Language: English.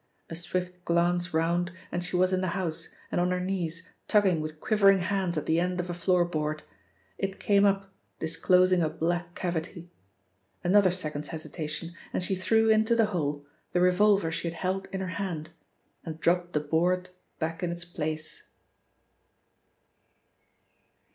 A swift glance round and she was in the house and on her knees tugging with quivering hands at the end of a floor board. It came up disclosing a black cavity. Another second's hesitation, and she threw into the hole the revolver she had held in her hand, and dropped the board back in its place.